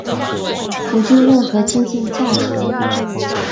不具任何经济价值。